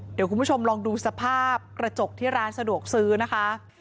เดี๋ยวคุณผู้ชมลองดูสภาพกระจกที่ร้านสะดวกซื้อนะคะ